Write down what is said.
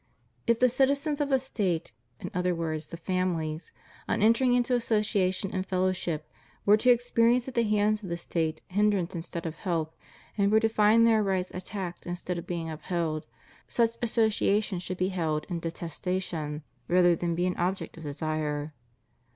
If the citizens of a State — in other words the families — on entering into association and fellowship, were to experience at the hands of the State hindrance instead of help, and were to find their rights attacked instead of being upheld, such association should be held in detestation, rather than be an object of desire.